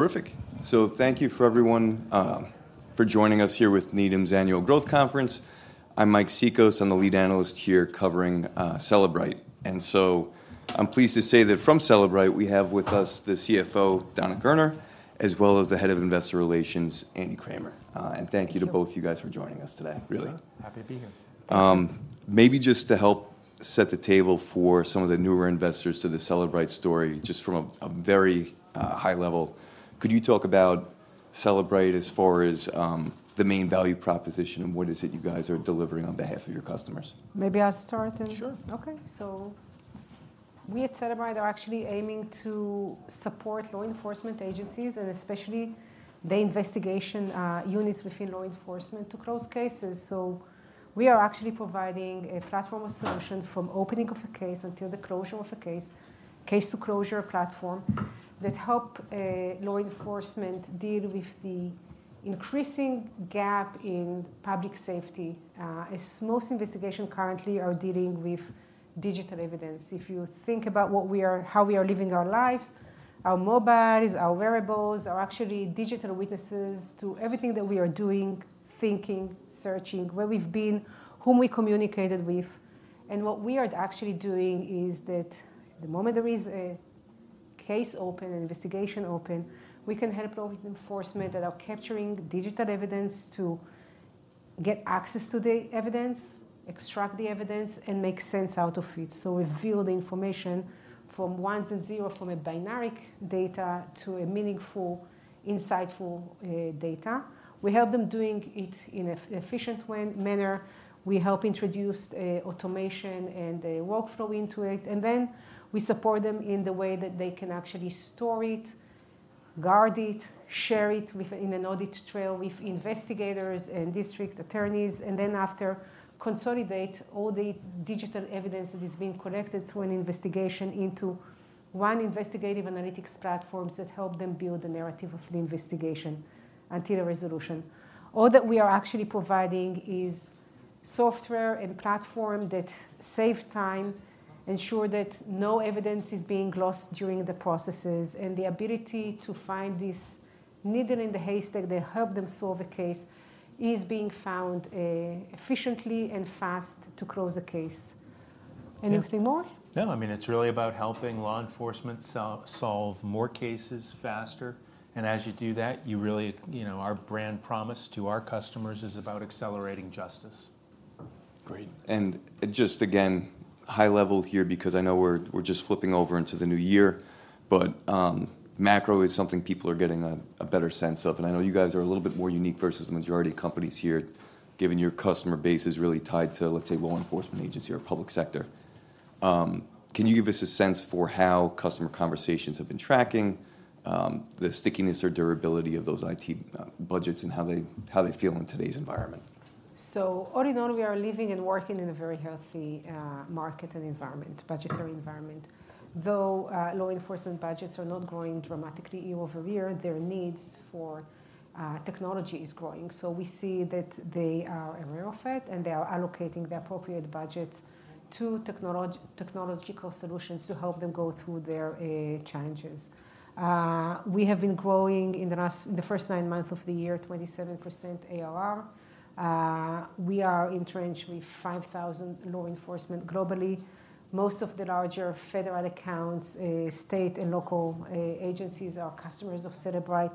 Perfect! So thank you for everyone for joining us here with Needham's Annual Growth Conference. I'm Mike Cikos. I'm the Lead Analyst here covering Cellebrite. And so I'm pleased to say that from Cellebrite, we have with us the CFO, Dana Gerner, as well as the Head of Investor Relations, Andrew Kramer. And thank you to both you guys for joining us today, really. Sure. Happy to be here. Maybe just to help set the table for some of the newer investors to the Cellebrite story, just from a very high level, could you talk about Cellebrite as far as the main value proposition, and what is it you guys are delivering on behalf of your customers? Maybe I'll start. Sure. Okay. We at Cellebrite are actually aiming to support law enforcement agencies, and especially the investigation units within law enforcement to close cases. We are actually providing a platform of solution from opening of a case until the closure of a case, Case-to-Closure platform, that help law enforcement deal with the increasing gap in public safety, as most investigation currently are dealing with digital evidence. If you think about how we are living our lives, our mobiles, our wearables, are actually digital witnesses to everything that we are doing, thinking, searching, where we've been, whom we communicated with. What we are actually doing is that the moment there is a case open, an investigation open, we can help law enforcement that are capturing digital evidence to get access to the evidence, extract the evidence, and make sense out of it. So we fill the information from ones and zeros, from binary data to a meaningful, insightful data. We help them doing it in efficient way, manner. We help introduce automation and a workflow into it, and then we support them in the way that they can actually store it, guard it, share it within an audit trail with investigators and district attorneys, and then after, consolidate all the digital evidence that is being collected through an investigation into one investigative analytics platforms that help them build a narrative of the investigation until a resolution. All that we are actually providing is software and platform that save time, ensure that no evidence is being lost during the processes, and the ability to find this needle in the haystack that help them solve a case is being found efficiently and fast to close the case. Yeah. Anything more? No. I mean, it's really about helping law enforcement solve more cases faster, and as you do that, you really, you know, our brand promise to our customers is about accelerating justice. Great. And just again, high level here, because I know we're just flipping over into the new year, but macro is something people are getting a better sense of. And I know you guys are a little bit more unique versus the majority of companies here, given your customer base is really tied to, let's say, law enforcement agency or public sector. Can you give us a sense for how customer conversations have been tracking, the stickiness or durability of those IT budgets, and how they feel in today's environment? So all in all, we are living and working in a very healthy market and environment, budgetary environment. Though law enforcement budgets are not growing dramatically year-over-year, their needs for technology is growing. So we see that they are aware of it, and they are allocating the appropriate budgets to technological solutions to help them go through their challenges. We have been growing in the last, the first nine months of the year, 27% ARR. We are entrenched with 5,000 law enforcement globally. Most of the larger federal accounts, state and local agencies are customers of Cellebrite.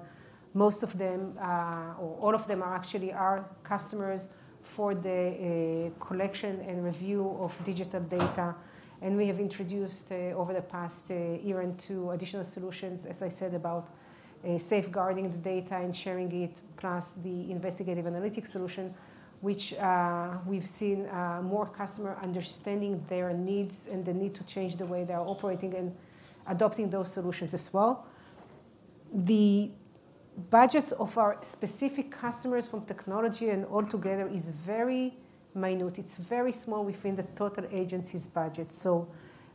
Most of them, or all of them are actually our customers for the, collection and review of digital data, and we have introduced, over the past, year or two, additional solutions, as I said, about, safeguarding the data and sharing it, plus the investigative analytics solution, which, we've seen, more customer understanding their needs and the need to change the way they are operating and adopting those solutions as well. The budgets of our specific customers from technology and altogether is very minute. It's very small within the total agency's budget. So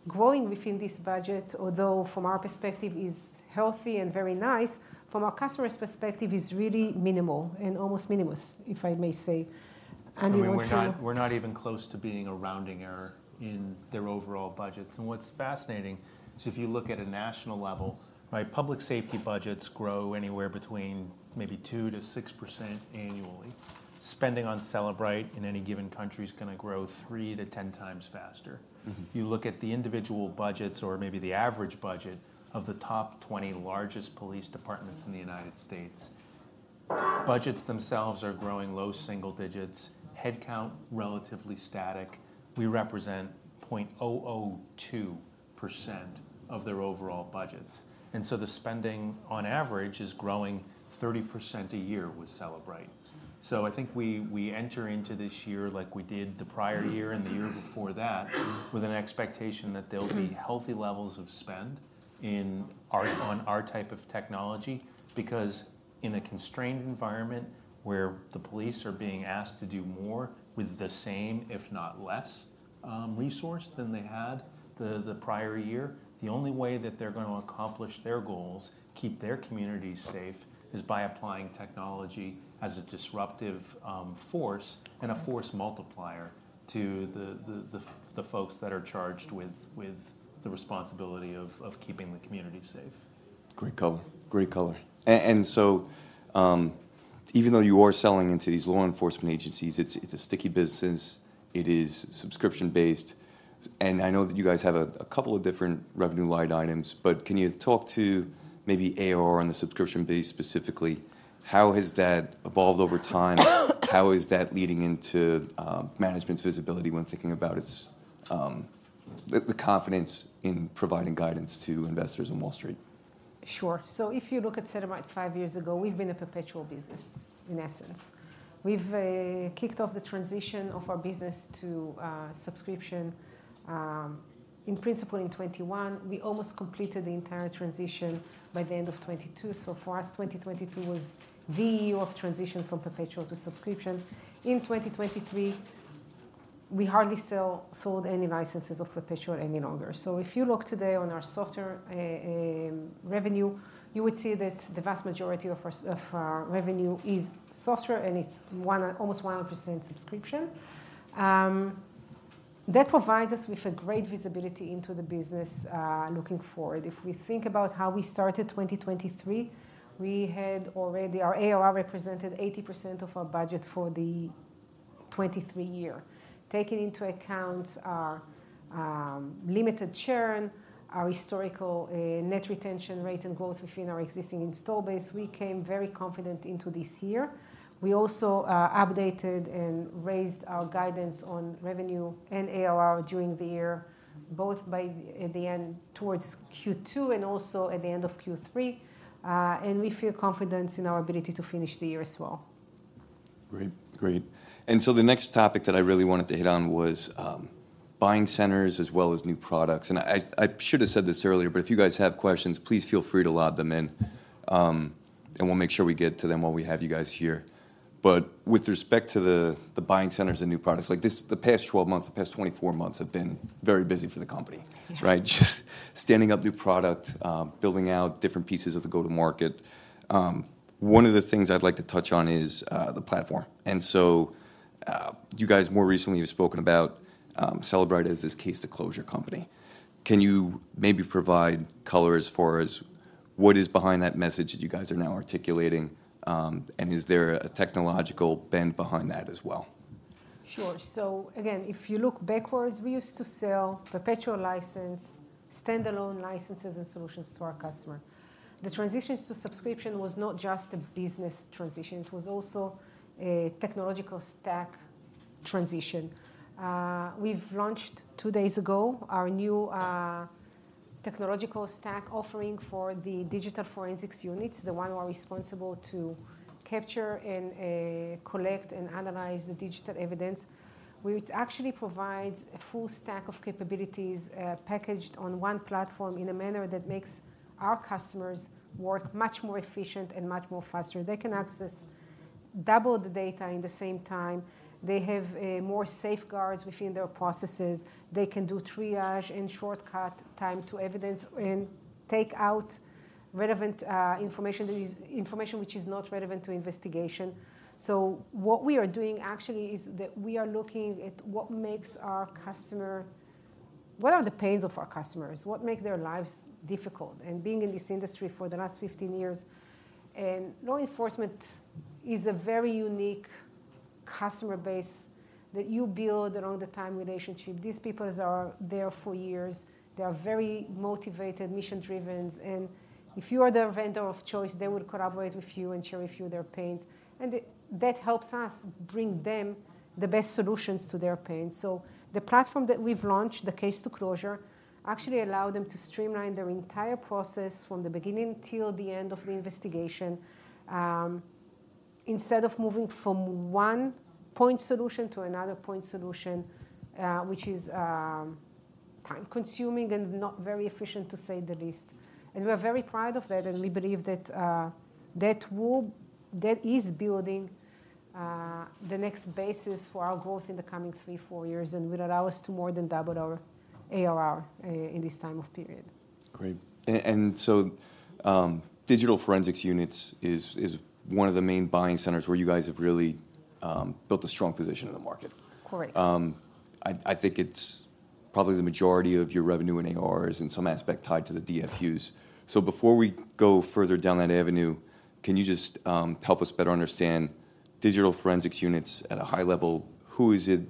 growing within this budget, although from our perspective, is healthy and very nice, from our customer's perspective, is really minimal and almost minimus, if I may say. Any more to. I mean, we're not, we're not even close to being a rounding error in their overall budgets. What's fascinating is if you look at a national level, right? Public safety budgets grow anywhere between maybe 2%-6% annually. Spending on Cellebrite in any given country is gonna grow three to 10 times faster. You look at the individual budgets or maybe the average budget of the top 20 largest police departments in the United States, budgets themselves are growing low single digits, headcount, relatively static. We represent 0.002% of their overall budgets, and so the spending on average is growing 30% a year with Cellebrite. So I think we enter into this year like we did the prior year and the year before that, with an expectation that there'll be healthy levels of spend in our, on our type of technology. Because in a constrained environment where the police are being asked to do more with the same, if not less, resource than they had the prior year, the only way that they're going to accomplish their goals, keep their communities safe, is by applying technology as a disruptive force. Right. And a force multiplier to the folks that are charged with the responsibility of keeping the community safe. Great color, great color. And so, even though you are selling into these law enforcement agencies, it's, it's a sticky business, it is subscription-based, and I know that you guys have a couple of different revenue line items, but can you talk to maybe ARR on the subscription base specifically? How has that evolved over time? How is that leading into management's visibility when thinking about its the confidence in providing guidance to investors on Wall Street? Sure. So if you look at Cellebrite five years ago, we've been a perpetual business, in essence. We've kicked off the transition of our business to subscription in principle in 2021. We almost completed the entire transition by the end of 2022. So for us, 2022 was the year of transition from perpetual to subscription. In 2023, we hardly sold any licenses of perpetual any longer. So if you look today on our software revenue, you would see that the vast majority of our revenue is software, and it's almost 100% subscription. That provides us with a great visibility into the business looking forward. If we think about how we started 2023, we had already. Our ARR represented 80% of our budget for the 2023 year. Taking into account our limited churn, our historical net retention rate, and growth within our existing install base, we came very confident into this year. We also updated and raised our guidance on revenue and ARR during the year, both by at the end, towards Q2 and also at the end of Q3. And we feel confidence in our ability to finish the year as well. Great. Great. And so the next topic that I really wanted to hit on was buying centers as well as new products. And I, I should have said this earlier, but if you guys have questions, please feel free to lob them in, and we'll make sure we get to them while we have you guys here. But with respect to the buying centers and new products, like this, the past 12 months, the past 24 months have been very busy for the company. Yeah. Right? Just standing up new product, building out different pieces of the go-to-market. One of the things I'd like to touch on is the platform. And so, you guys more recently have spoken about Cellebrite as this Case-to-Closure company. Can you maybe provide color as far as what is behind that message that you guys are now articulating? And is there a technological bend behind that as well? Sure. So again, if you look backwards, we used to sell perpetual license, standalone licenses and solutions to our customer. The transitions to subscription was not just a business transition, it was also a technological stack transition. We've launched, two days ago, our new technological stack offering for the digital forensics units, the one who are responsible to capture and collect and analyze the digital evidence. We would actually provide a full stack of capabilities, packaged on one platform in a manner that makes our customers work much more efficient and much more faster. They can access double the data in the same time. They have more safeguards within their processes. They can do triage and shortcut time to evidence and take out relevant information that is information which is not relevant to investigation. So what we are doing actually is that we are looking at what makes our customers—what are the pains of our customers? What make their lives difficult? Being in this industry for the last 15 years, law enforcement is a very unique customer base that you build along the time, relationship. These people are there for years. They are very motivated, mission-driven, and if you are their vendor of choice, they will collaborate with you and share with you their pains, and that helps us bring them the best solutions to their pain. So the platform that we've launched, the Case-to-Closure, actually allow them to streamline their entire process from the beginning till the end of the investigation, instead of moving from one point solution to another point solution, which is time-consuming and not very efficient, to say the least. We are very proud of that, and we believe that that is building the next basis for our growth in the coming three to four years and will allow us to more than double our ARR in this time period. Great. And so, digital forensics units is one of the main buying centers where you guys have really built a strong position in the market. Correct. I think it's probably the majority of your revenue in ARR is in some aspect tied to the DFUs. So before we go further down that avenue, can you just help us better understand digital forensics units at a high level? Who is it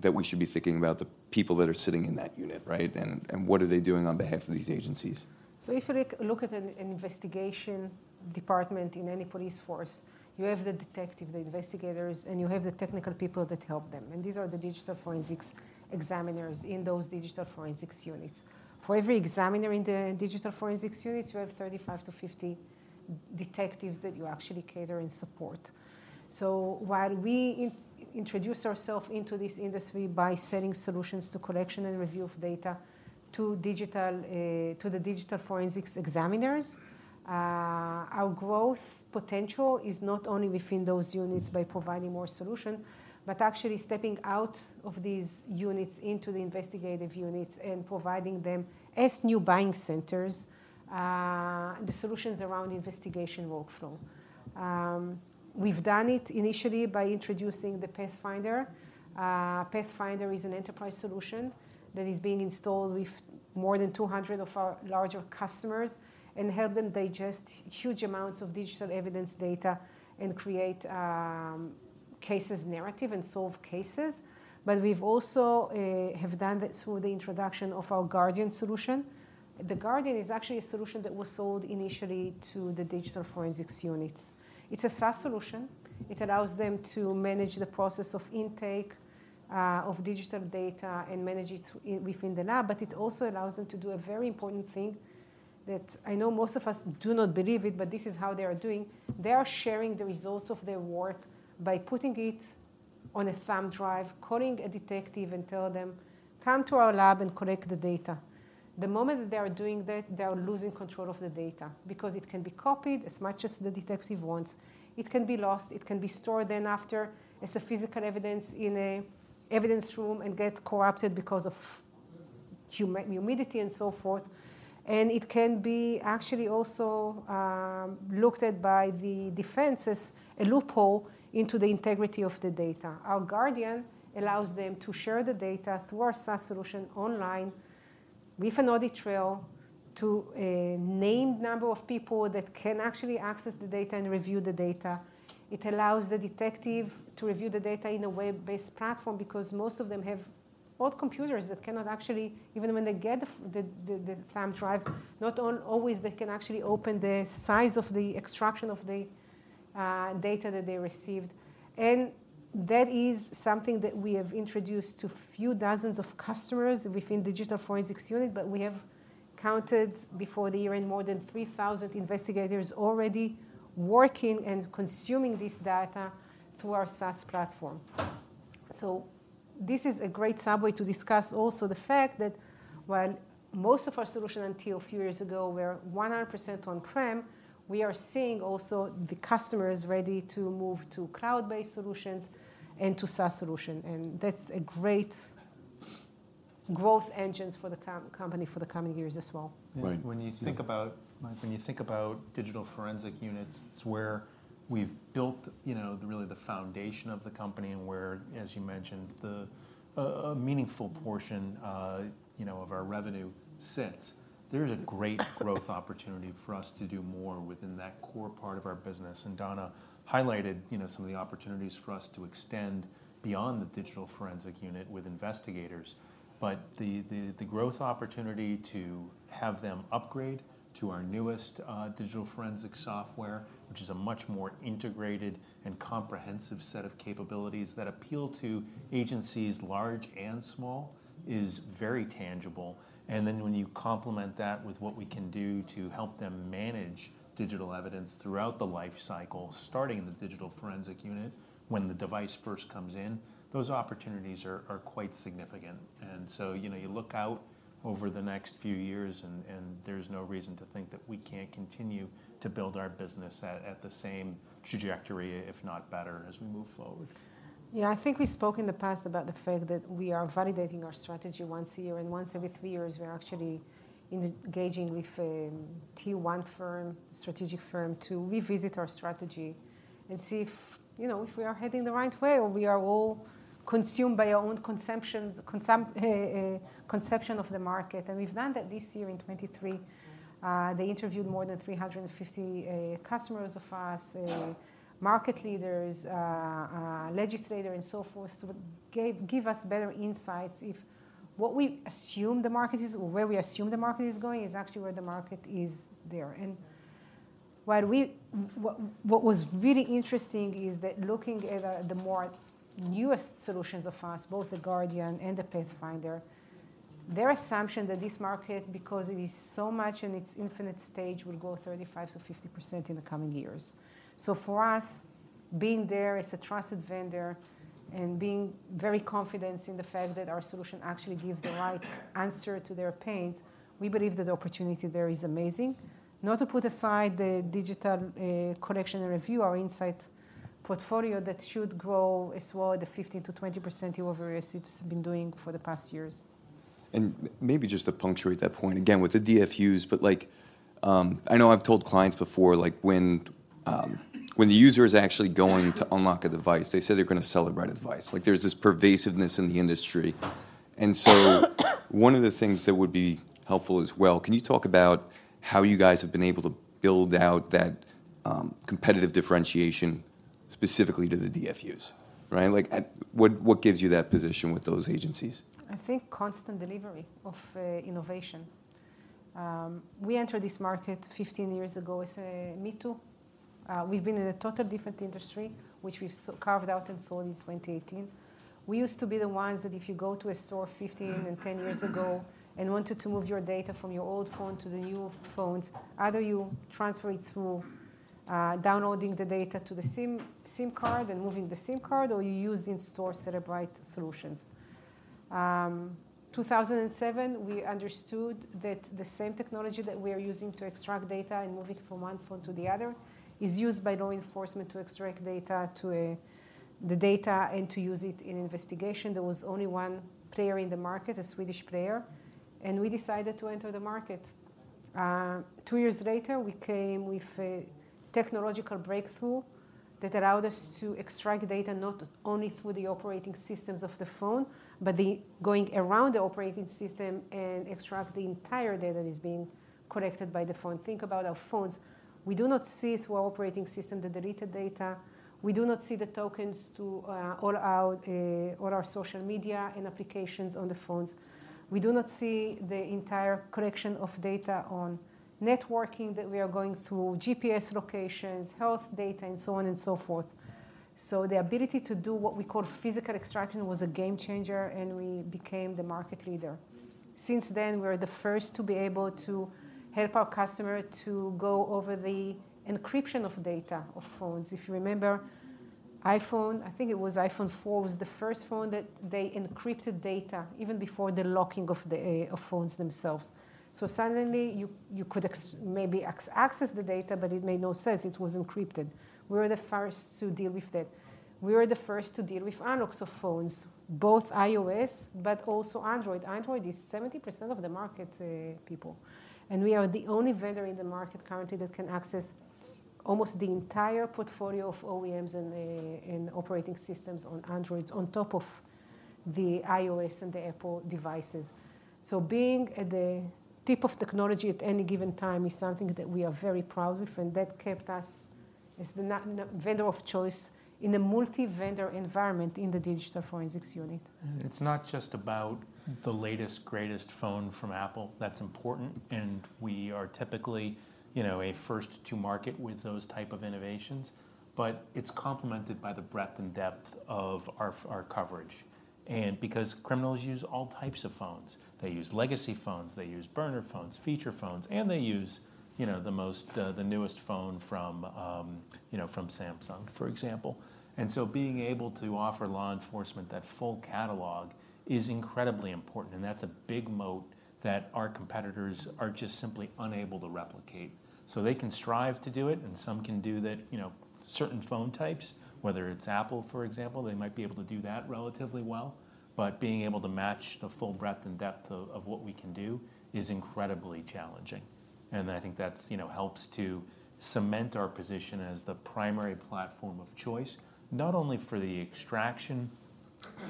that we should be thinking about, the people that are sitting in that unit, right? And what are they doing on behalf of these agencies? So if you look at an investigation department in any police force, you have the detective, the investigators, and you have the technical people that help them, and these are the digital forensics examiners in those digital forensics units. For every examiner in the digital forensics units, you have 35-50 detectives that you actually cater and support. So while we introduce ourselves into this industry by selling solutions to collection and review of data to digital, to the digital forensics examiners, our growth potential is not only within those units by providing more solution, but actually stepping out of these units into the investigative units and providing them, as new buying centers, the solutions around investigation workflow. We've done it initially by introducing the Pathfinder. Pathfinder is an enterprise solution that is being installed with more than 200 of our larger customers and help them digest huge amounts of digital evidence data and create case narratives and solve cases. But we've also have done that through the introduction of our Guardian solution. The Guardian is actually a solution that was sold initially to the digital forensics units. It's a SaaS solution. It allows them to manage the process of intake of digital data and manage it within the lab, but it also allows them to do a very important thing that I know most of us do not believe it, but this is how they are doing. They are sharing the results of their work by putting it on a thumb drive, calling a detective, and tell them, "Come to our lab and collect the data." The moment that they are doing that, they are losing control of the data, because it can be copied as much as the detective wants. It can be lost, it can be stored then after, as physical evidence in an evidence room and get corrupted because of humidity and so forth. It can be actually also looked at by the defense as a loophole into the integrity of the data. Our Guardian allows them to share the data through our SaaS solution online, with an audit trail, to a named number of people that can actually access the data and review the data. It allows the detective to review the data in a web-based platform, because most of them have old computers that cannot actually even when they get the thumb drive, not always, they can actually open the size of the extraction of the data that they received. And that is something that we have introduced to few dozens of customers within digital forensics unit, but we have counted, before the year-end, more than 3,000 investigators already working and consuming this data through our SaaS platform. So this is a great way to discuss also the fact that while most of our solution until a few years ago were 100% on-prem, we are seeing also the customers ready to move to cloud-based solutions and to SaaS solution, and that's a great growth engines for the company for the coming years as well. Right. When you think about, Mike, when you think about digital forensic units, it's where we've built, you know, really the foundation of the company and where, as you mentioned, a meaningful portion, you know, of our revenue sits. There's a great growth opportunity for us to do more within that core part of our business, and Dana highlighted, you know, some of the opportunities for us to extend beyond the digital forensic unit with investigators. But the growth opportunity to have them upgrade to our newest, digital forensic software, which is a much more integrated and comprehensive set of capabilities that appeal to agencies large and small, is very tangible. And then, when you complement that with what we can do to help them manage digital evidence throughout the lifecycle, starting in the digital forensic unit, when the device first comes in, those opportunities are quite significant. And so, you know, you look out over the next few years and there's no reason to think that we can't continue to build our business at the same trajectory, if not better, as we move forward. Yeah, I think we spoke in the past about the fact that we are validating our strategy once a year, and once every three years, we are actually engaging with a Tier 1 firm, strategic firm, to revisit our strategy and see if, you know, if we are heading the right way or we are all consumed by our own consumptions, conception of the market. And we've done that this year in 2023. They interviewed more than 350 customers of us, market leaders, legislators, and so forth, to give us better insights if what we assume the market is or where we assume the market is going, is actually where the market is there. And while we. What was really interesting is that looking at the more newest solutions of us, both the Guardian and the Pathfinder, the assumption that this market, because it is so much in its infant stage, will grow 35%-50% in the coming years. So for us, being there as a trusted vendor and being very confident in the fact that our solution actually gives the right answer to their pains, we believe that the opportunity there is amazing. Not to put aside the digital collection and review, our Inseyets portfolio, that should grow as well, at a 15%-20% year-over-year, as it's been doing for the past years. And maybe just to punctuate that point, again, with the DFUs, but like, I know I've told clients before, like, when the user is actually going to unlock a device, they say they're gonna Cellebrite a device. Like, there's this pervasiveness in the industry. And so one of the things that would be helpful as well, can you talk about how you guys have been able to build out that, competitive differentiation specifically to the DFUs, right? Like, at what gives you that position with those agencies? I think constant delivery of innovation. We entered this market 15 years ago as a me-too. We've been in a total different industry, which we've carved out and sold in 2018. We used to be the ones that if you go to a store 15 and 10 years ago and wanted to move your data from your old phone to the new phones, either you transfer it through downloading the data to the SIM card and moving the SIM card, or you use the in-store Cellebrite solutions. In 2007, we understood that the same technology that we are using to extract data and move it from one phone to the other is used by law enforcement to extract data, the data, and to use it in investigation. There was only one player in the market, a Swedish player, and we decided to enter the market. Two years later, we came with a technological breakthrough that allowed us to extract data not only through the operating systems of the phone, but by going around the operating system and extract the entire data that is being collected by the phone. Think about our phones. We do not see through our operating system, the deleted data. We do not see the tokens to all our all our social media and applications on the phones. We do not see the entire collection of data on networking that we are going through, GPS locations, health data, and so on and so forth. So the ability to do what we call physical extraction was a game changer, and we became the market leader. Since then, we're the first to be able to help our customer to go over the encryption of data of phones. If you remember, iPhone, I think it was iPhone 4, was the first phone that they encrypted data even before the locking of the of phones themselves. So suddenly, you could access the data, but it made no sense. It was encrypted. We were the first to deal with that. We were the first to deal with unlocks of phones, both iOS but also Android. Android is 70% of the market, people, and we are the only vendor in the market currently that can access almost the entire portfolio of OEMs and the, and operating systems on Androids, on top of the iOS and the Apple devices. So being at the tip of technology at any given time is something that we are very proud of, and that kept us as the vendor of choice in a multi-vendor environment in the digital forensics unit. It's not just about the latest, greatest phone from Apple. That's important, and we are typically, you know, a first to market with those type of innovations, but it's complemented by the breadth and depth of our coverage. Because criminals use all types of phones, they use legacy phones, they use burner phones, feature phones, and they use, you know, the most, the newest phone from, you know, from Samsung, for example. So being able to offer law enforcement that full catalogue is incredibly important, and that's a big moat that our competitors are just simply unable to replicate. They can strive to do it, and some can do that, you know, certain phone types, whether it's Apple, for example, they might be able to do that relatively well. But being able to match the full breadth and depth of what we can do is incredibly challenging, and I think that's, you know, helps to cement our position as the primary platform of choice, not only for the extraction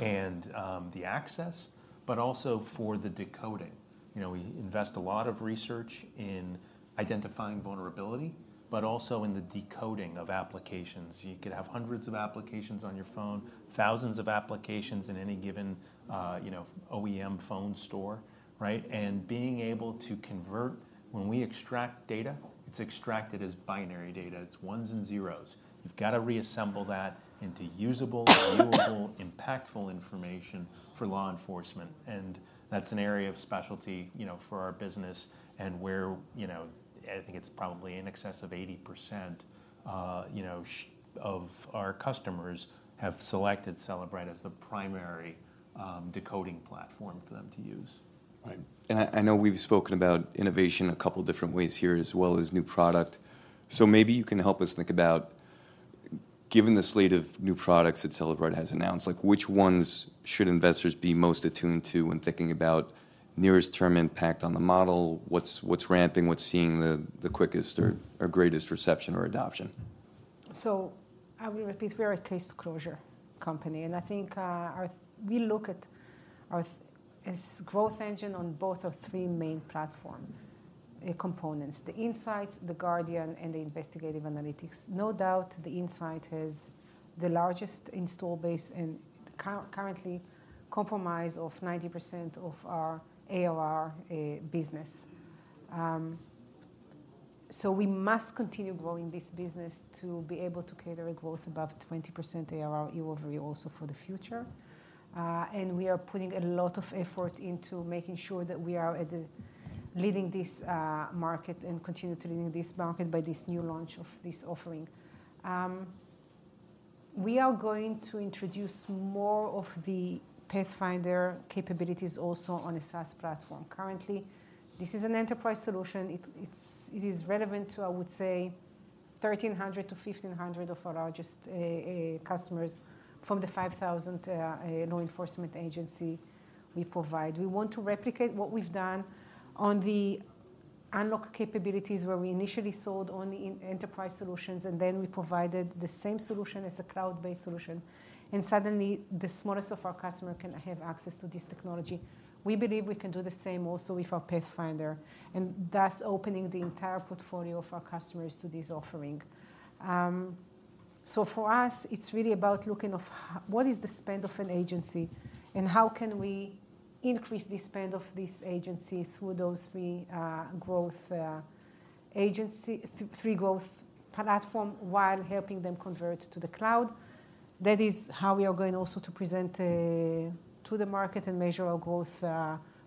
and the access, but also for the decoding. You know, we invest a lot of research in identifying vulnerability, but also in the decoding of applications. You could have hundreds of applications on your phone, thousands of applications in any given, you know, OEM phone store, right? Being able to convert, when we extract data, it's extracted as binary data. It's ones and zeros. You've got to reassemble that into usable-viewable, impactful information for law enforcement, and that's an area of specialty, you know, for our business and where, you know, I think it's probably in excess of 80%, you know, of our customers have selected Cellebrite as the primary, decoding platform for them to use. Right. And I know we've spoken about innovation a couple different ways here, as well as new product. So maybe you can help us think about, given the slate of new products that Cellebrite has announced, like, which ones should investors be most attuned to when thinking about nearest term impact on the model? What's ramping? What's seeing the quickest or greatest reception or adoption? So I will repeat, we are a case closure company, and I think, our, we look at our, as growth engine on both our three main platform components: the Inseyets, the Guardian, and the Investigative Analytics. No doubt, the Inseyets has the largest install base and currently comprises 90% of our ARR business. So we must continue growing this business to be able to cater a growth above 20% ARR year-over-year also for the future. And we are putting a lot of effort into making sure that we are at the leading this market and continue to lead this market by this new launch of this offering. We are going to introduce more of the Pathfinder capabilities also on a SaaS platform. Currently, this is an enterprise solution. It is relevant to, I would say, 1,300-1,500 of our largest customers from the 5,000 law enforcement agencies we provide. We want to replicate what we've done on the unlock capabilities, where we initially sold only in enterprise solutions, and then we provided the same solution as a cloud-based solution, and suddenly, the smallest of our customers can have access to this technology. We believe we can do the same also with our Pathfinder, and thus opening the entire portfolio of our customers to this offering. So for us, it's really about looking at what is the spend of an agency, and how can we increase the spend of this agency through those three growth platforms, while helping them convert to the cloud. That is how we are going also to present to the market and measure our growth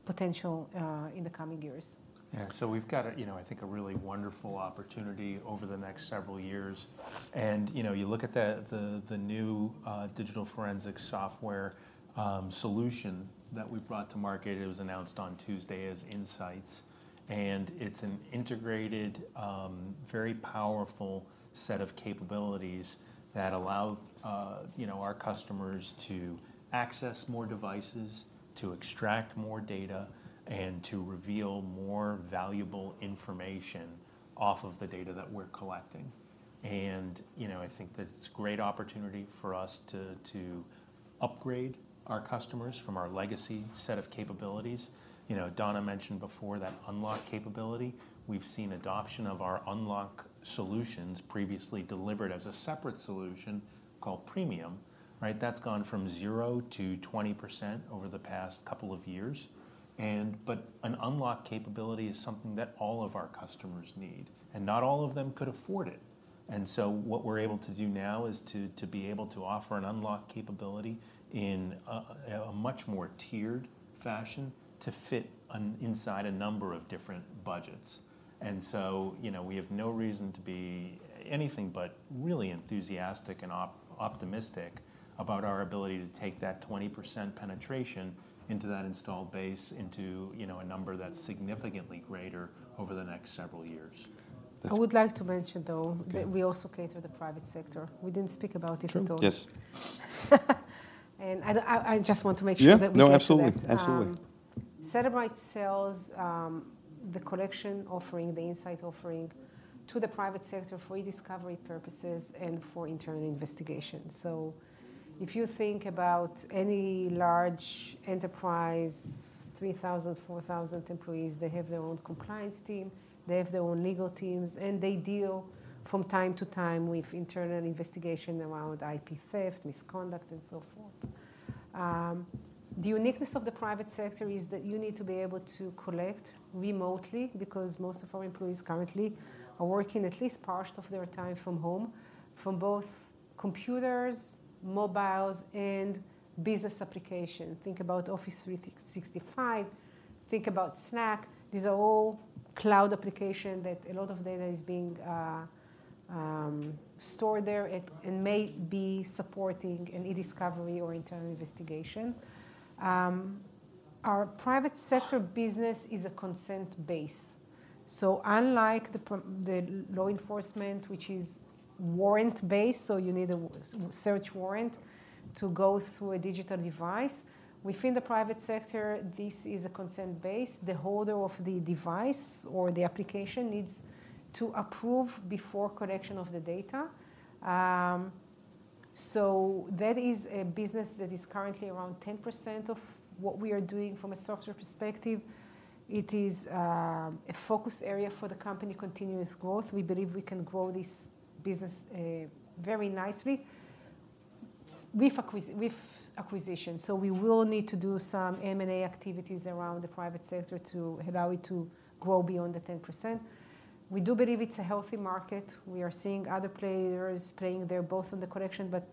potential in the coming years. Yeah. So we've got a, you know, I think, a really wonderful opportunity over the next several years. And, you know, you look at the new digital forensic software solution that we brought to market, it was announced on Tuesday, as Inseyets, and it's an integrated very powerful set of capabilities that allow, you know, our customers to access more devices, to extract more data, and to reveal more valuable information off of the data that we're collecting. And, you know, I think that it's a great opportunity for us to upgrade our customers from our legacy set of capabilities. You know, Dana mentioned before that unlock capability. We've seen adoption of our unlock solutions previously delivered as a separate solution called Premium, right? That's gone from 0%-20% over the past couple of years. But an unlock capability is something that all of our customers need, and not all of them could afford it. So what we're able to do now is to be able to offer an unlock capability in a much more tiered fashion to fit inside a number of different budgets. So, you know, we have no reason to be anything but really enthusiastic and optimistic about our ability to take that 20% penetration into that installed base, into, you know, a number that's significantly greater over the next several years. I would like to mention, though. Okay. That we also cater the private sector. We didn't speak about it at all. True. Yes. I just want to make sure that we get to that. Yeah. No, absolutely. Absolutely. Cellebrite sells the collection offering, the Inseyets offering to the private sector for e-discovery purposes and for internal investigations. So if you think about any large enterprise, 3,000, 4,000 employees, they have their own compliance team, they have their own legal teams, and they deal from time to time with internal investigation around IP theft, misconduct, and so forth. The uniqueness of the private sector is that you need to be able to collect remotely, because most of our employees currently are working at least part of their time from home, from both computers, mobiles, and business application. Think about Office 365, think about Slack. These are all cloud application that a lot of data is being stored there and may be supporting an e-discovery or internal investigation. Our private sector business is a consent base. So unlike the law enforcement, which is warrant-based, so you need a search warrant to go through a digital device, within the private sector, this is a consent-based. The holder of the device or the application needs to approve before collection of the data. So that is a business that is currently around 10% of what we are doing from a software perspective. It is a focus area for the company, continuous growth. We believe we can grow this business very nicely with acquisition. So we will need to do some M&A activities around the private sector to allow it to grow beyond the 10%. We do believe it's a healthy market. We are seeing other players playing there, both on the collection but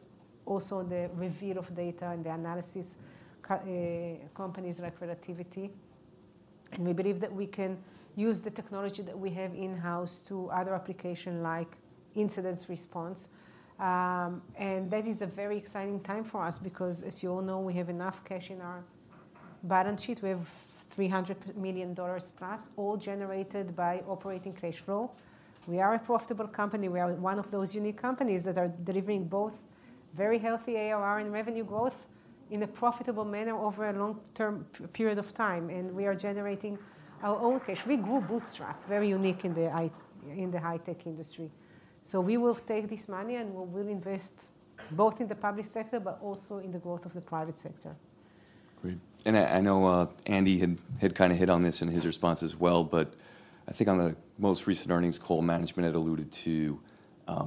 also the review of data and the analysis companies like Relativity. We believe that we can use the technology that we have in-house to other application, like incident response. And that is a very exciting time for us because, as you all know, we have enough cash in our balance sheet. We have $300 million+, all generated by operating cash flow. We are a profitable company. We are one of those unique companies that are delivering both very healthy ARR and revenue growth in a profitable manner over a long-term period of time, and we are generating our own cash. We grew bootstrapped, very unique in the high-tech industry. So we will take this money, and we will invest both in the public sector but also in the growth of the private sector. Great. And I know Andy had kinda hit on this in his response as well, but I think on the most recent earnings call, management had alluded to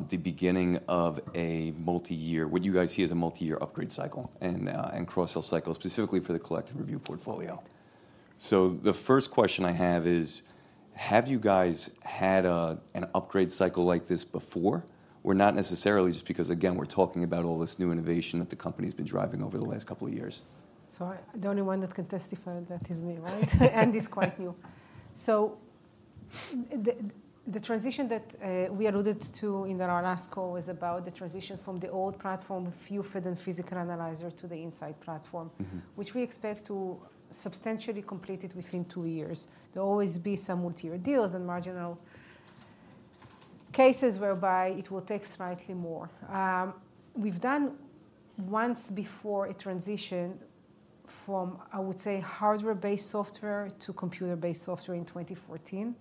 the beginning of a multi-year, what you guys see as a multi-year upgrade cycle and cross-sell cycle, specifically for the collect and review portfolio. So the first question I have is: Have you guys had an upgrade cycle like this before? Or not necessarily, just because, again, we're talking about all this new innovation that the company's been driving over the last couple of years. So, the only one that can testify that is me, right? Andy is quite new. So, the transition that we alluded to in our last call was about the transition from the old platform, the UFED and Physical Analyzer, to the Inseyets platform, which we expect to substantially complete it within two years. There will always be some multi-year deals and marginal cases whereby it will take slightly more. We've done once before a transition from, I would say, hardware-based software to computer-based software in 2014.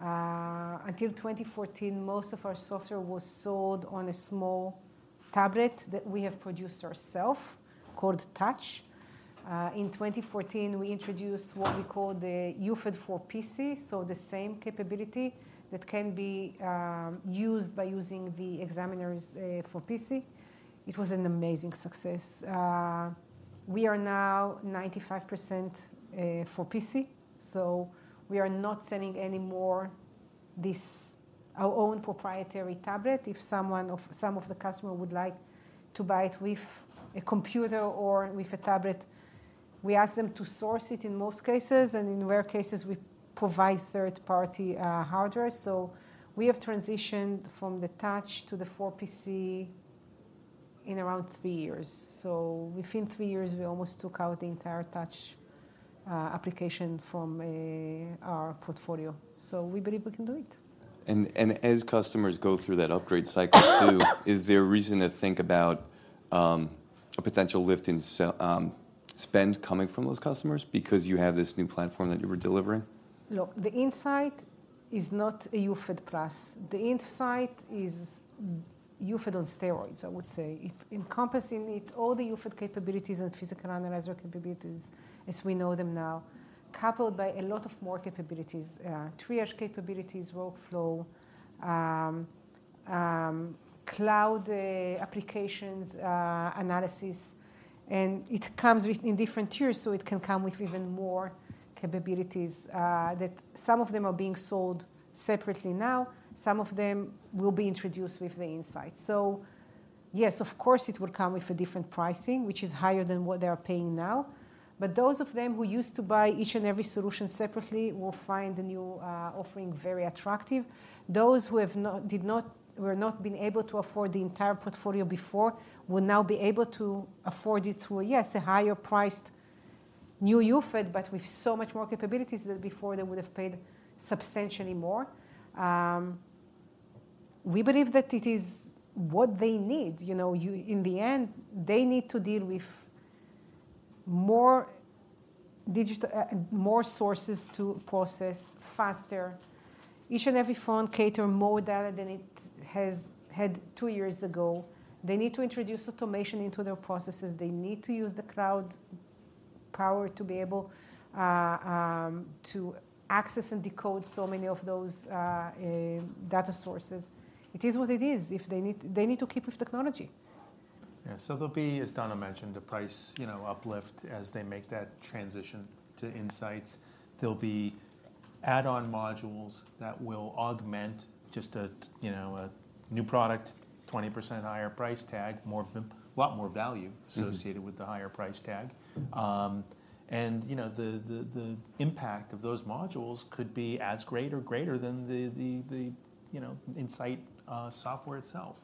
Until 2014, most of our software was sold on a small tablet that we have produced ourselves, called Touch. In 2014, we introduced what we call the UFED 4PC, so the same capability that can be used by using the examiners 4PC. It was an amazing success. We are now 95% 4PC, so we are not selling any more this, our own proprietary tablet. If someone—some of the customer would like to buy it with a computer or with a tablet, we ask them to source it in most cases, and in rare cases, we provide third-party hardware. We have transitioned from the Touch to the 4PC in around three years. Within three years, we almost took out the entire Touch application from our portfolio. We believe we can do it. And as customers go through that upgrade cycle too, is there a reason to think about a potential lift in spend coming from those customers because you have this new platform that you were delivering? Look, the Inseyets is not a UFED plus. The Inseyets is UFED on steroids, I would say. It encompassing it, all the UFED capabilities and Physical Analyzer capabilities as we know them now, coupled by a lot of more capabilities, triage capabilities, workflow, cloud applications analysis. And it comes with in different tiers, so it can come with even more capabilities, that some of them are being sold separately now, some of them will be introduced with the Inseyets. So yes, of course, it will come with a different pricing, which is higher than what they are paying now. But those of them who used to buy each and every solution separately will find the new offering very attractive. Those who did not, were not been able to afford the entire portfolio before, will now be able to afford it through, yes, a higher priced new UFED, but with so much more capabilities than before, they would have paid substantially more. We believe that it is what they need. You know, In the end, they need to deal with more digital, more sources to process faster. Each and every phone cater more data than it has had two years ago. They need to introduce automation into their processes. They need to use the cloud power to be able, to access and decode so many of those, data sources. It is what it is. If they need, they need to keep with technology. Yeah. So there'll be, as Dana mentioned, a price, you know, uplift as they make that transition to Inseyets. There'll be add-on modules that will augment just a, you know, a new product, 20% higher price tag, more of them, a lot more value associated with the higher price tag. And, you know, the impact of those modules could be as great or greater than the, you know, Inseyets software itself.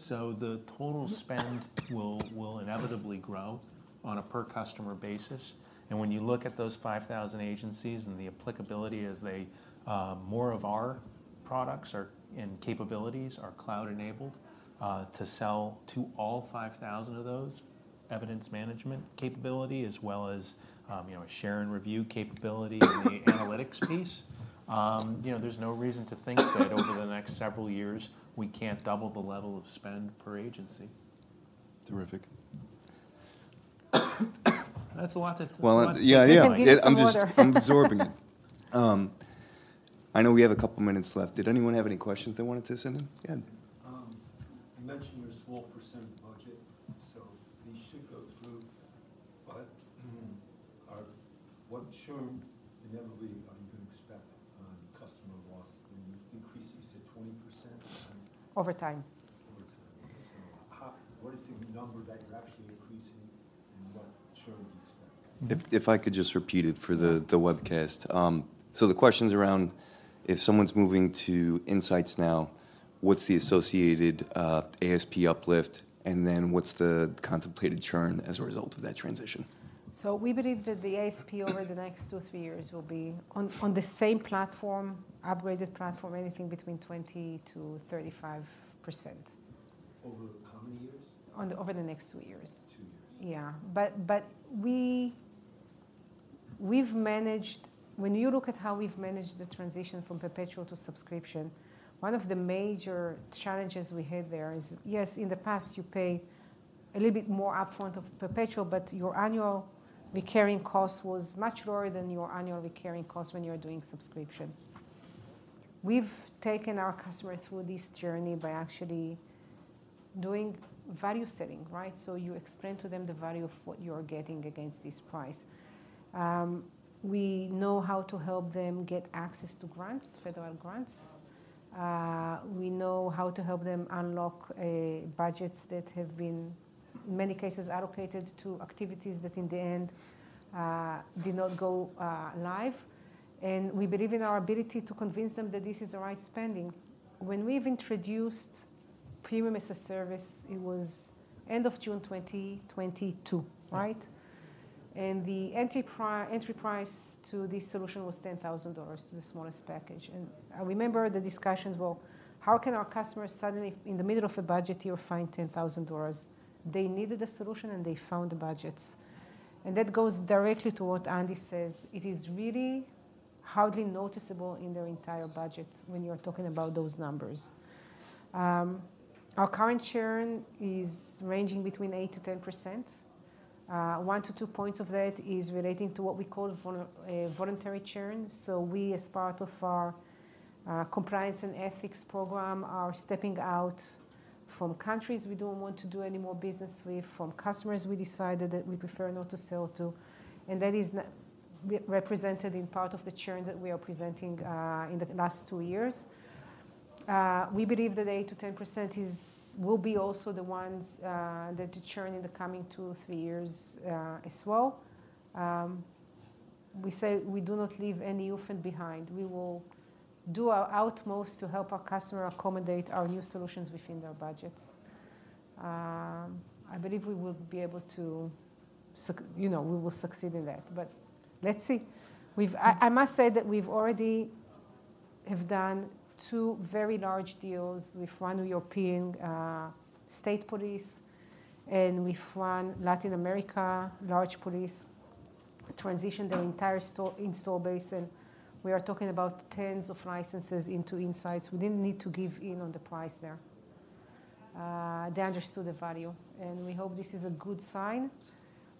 So the total spend will inevitably grow on a per customer basis. And when you look at those 5,000 agencies and the applicability as they more of our products are, and capabilities are cloud-enabled, to sell to all 5,000 of those, evidence management capability as well as you know, a share and review capability and the analytics piece, you know, there's no reason to think that over the next several years, we can't double the level of spend per agency. Terrific. That's a lot to. Well, yeah, yeah. I need some water. I'm just, I'm absorbing it. I know we have a couple of minutes left. Did anyone have any questions they wanted to send in? Yeah. You mentioned your small percent of budget, so these should go through. But, what churn, inevitably, are you going to expect on customer loss? And increase, you said, 20%? Over time. Over time. So what is the number that you're actually increasing, and what churn would you expect? If I could just repeat it for the webcast. So the question's around: If someone's moving to Inseyets now, what's the associated ASP uplift? And then what's the contemplated churn as a result of that transition? So we believe that the ASP over the next two to three years will be on the same platform, upgraded platform, anything between 20%-35%. Over how many years? Over the next two years. Two years. Yeah. But we've managed. When you look at how we've managed the transition from perpetual to subscription, one of the major challenges we had there is, yes, in the past, you pay a little bit more up front of perpetual, but your annual recurring cost was much lower than your annual recurring cost when you are doing subscription. We've taken our customer through this journey by actually doing value setting, right? So you explain to them the value of what you are getting against this price. We know how to help them get access to grants, federal grants. We know how to help them unlock budgets that have been, in many cases, allocated to activities that in the end did not go live. And we believe in our ability to convince them that this is the right spending. When we've introduced Premium as a service, it was end of June 2022, right? Yeah. And the entry price to this solution was $10,000 to the smallest package. And I remember the discussions, "Well, how can our customers suddenly, in the middle of a budget year, find $10,000?" They needed a solution, and they found the budgets. And that goes directly to what Andy says. It is really hardly noticeable in their entire budget when you are talking about those numbers. Our current churn is ranging between 8%-10%. One to two points of that is relating to what we call voluntary churn. So we, as part of our compliance and ethics program, are stepping out from countries we don't want to do any more business with, from customers we decided that we prefer not to sell to, and that is represented in part of the churn that we are presenting in the last two years. We believe that 8%-10% will be also the ones that churn in the coming two or three years, as well. We say we do not leave any UFED behind. We will do our utmost to help our customer accommodate our new solutions within their budgets. I believe we will be able to, you know, we will succeed in that. But let's see. I must say that we've already have done two very large deals with one European state police and with one Latin America large police, transitioned their entire installed base, and we are talking about tens of licenses into Inseyets. We didn't need to give in on the price there. They understood the value, and we hope this is a good sign.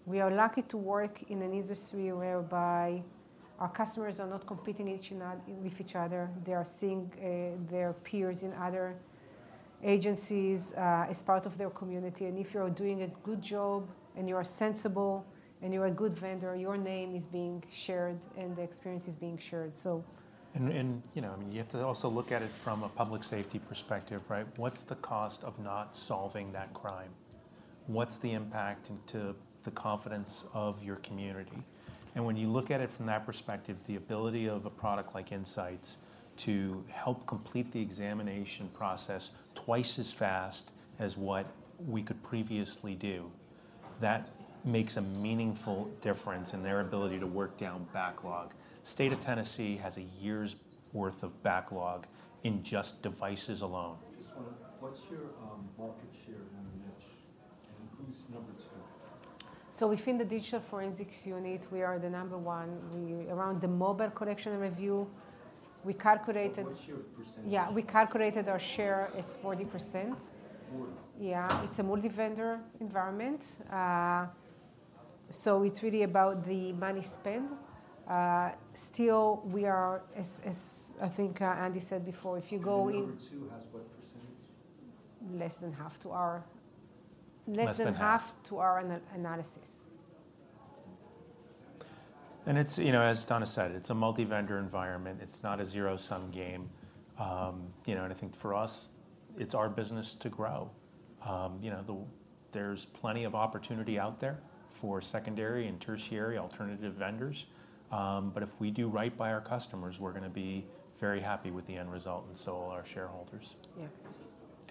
We are lucky to work in an industry whereby our customers are not competing each other, with each other. They are seeing their peers in other agencies as part of their community, and if you are doing a good job, and you are sensible, and you are a good vendor, your name is being shared, and the experience is being shared, so. You know, I mean, you have to also look at it from a public safety perspective, right? What's the cost of not solving that crime? What's the impact to the confidence of your community? And when you look at it from that perspective, the ability of a product like Inseyets to help complete the examination process twice as fast as what we could previously do, that makes a meaningful difference in their ability to work down backlog. State of Tennessee has a year's worth of backlog in just devices alone. Just wonder, what's your market share in the niche, and who's number two? So within the digital forensics unit, we are the number one. Around the mobile collection review, we calculated. What's your percentage? Yeah, we calculated our share is 40%. More? Yeah, it's a multi-vendor environment. So it's really about the money spent. Still, we are as I think Andy said before, if you go in. Number two has what percent? Less than half to our. Less than half. Less than half to our analysis. It's, you know, as Dana said, it's a multi-vendor environment. It's not a zero-sum game. You know, and I think for us, it's our business to grow. You know, there's plenty of opportunity out there for secondary and tertiary alternative vendors, but if we do right by our customers, we're gonna be very happy with the end result and so will our shareholders. Yeah.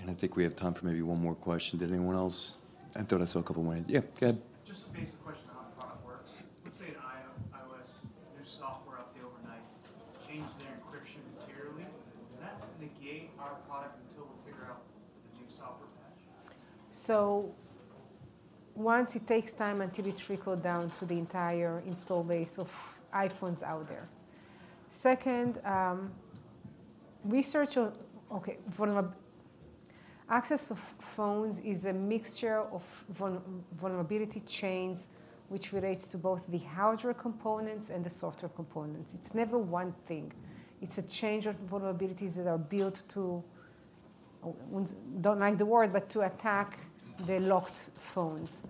I think we have time for maybe one more question. Did anyone else? I thought I saw a couple more hands. Yeah, go ahead. Just a basic question on how the product works. Let's say an iOS new software out the overnight changed their encryption materially; does that negate our product until we figure out the new software patch? So once it takes time until it trickle down to the entire install base of iPhones out there. Second, access of phones is a mixture of vulnerability chains, which relates to both the hardware components and the software components. It's never one thing. It's a change of vulnerabilities that are built to, oh, don't like the word, but to attack the locked phones.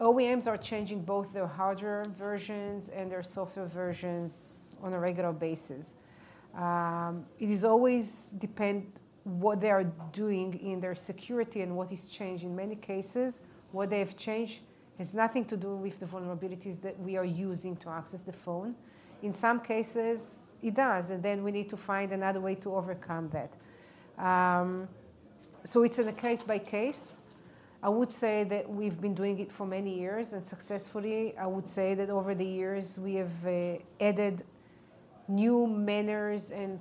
OEMs are changing both their hardware versions and their software versions on a regular basis. It is always depend what they are doing in their security and what is changing. Many cases, what they have changed has nothing to do with the vulnerabilities that we are using to access the phone. In some cases, it does, and then we need to find another way to overcome that. So it's on a case by case. I would say that we've been doing it for many years, and successfully. I would say that over the years, we have added new manners and,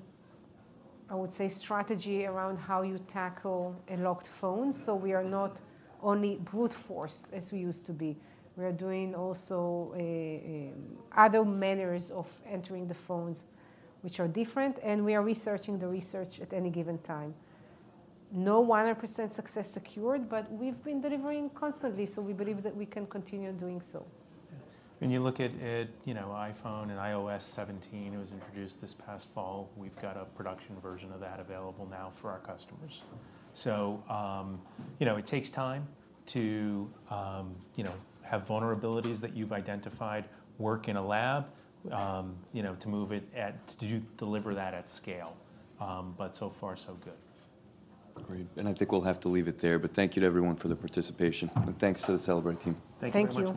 I would say, strategy around how you tackle a locked phone. So we are not only brute force, as we used to be. We are doing also a other manners of entering the phones, which are different, and we are researching the research at any given time. No 100% success secured, but we've been delivering constantly, so we believe that we can continue doing so. When you look at, you know, iPhone and iOS 17, it was introduced this past fall, we've got a production version of that available now for our customers. So, you know, it takes time to, you know, have vulnerabilities that you've identified work in a lab, you know, to move it to deliver that at scale. But so far, so good. Great. I think we'll have to leave it there, but thank you to everyone for the participation, and thanks to the Cellebrite team. Thank you very much. Thank you.